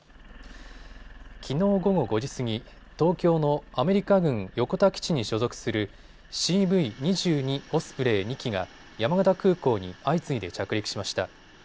きのう午後５時過ぎ、東京のアメリカ軍横田基地に所属するＣＶ２２オスプレイ２機が山形空港に相次いで着陸しました。